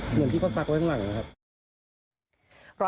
เหมือนที่เขาซักไว้ข้างหลังนะครับ